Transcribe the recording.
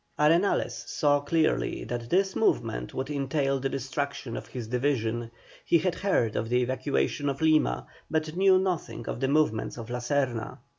Arenales saw clearly that this movement would entail the destruction of his division; he had heard of the evacuation of Lima, but knew nothing of the movements of La Serna.